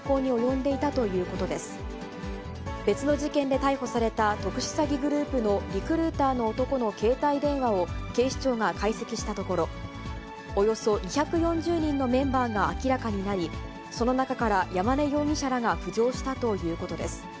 別の事件で逮捕された特殊詐欺グループのリクルーターの男の携帯電話を警視庁が解析したところ、およそ２４０人のメンバーが明らかになり、その中から山根容疑者らが浮上したということです。